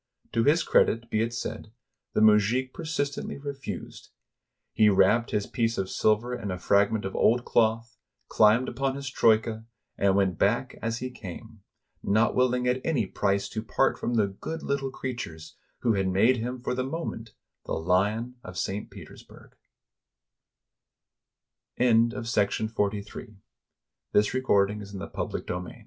To his credit be it said, the mujik persistently refused. He wrapped his piece of silver in a fragment of old cloth, climbed upon his troika, and went back as he came, not willing at any price to part from the good little creatures who had made him for the moment the lion of St. Peters burg. A